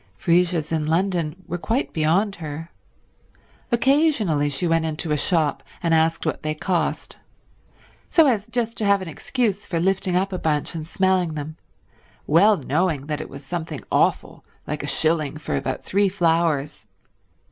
Freesias in London were quite beyond her. Occasionally she went into a shop and asked what they cost, so as just to have an excuse for lifting up a bunch and smelling them, well knowing that it was something awful like a shilling for about three flowers.